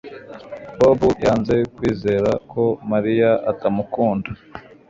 Bobo yanze kwizera ko Mariya atamukunda